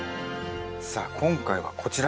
さあ今回はこちら。